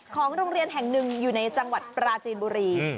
ของโรงเรียนแห่งหนึ่งอยู่ในจังหวัดปราจีนบุรี